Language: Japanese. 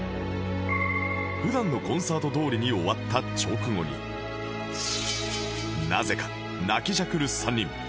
普段のコンサートどおりに終わった直後になぜか泣きじゃくる３人。